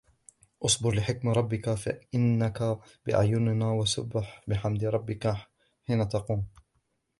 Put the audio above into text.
واصبر لحكم ربك فإنك بأعيننا وسبح بحمد ربك حين تقوم